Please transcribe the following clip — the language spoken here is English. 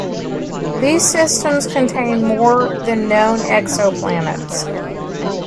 These systems contain more than known exoplanets.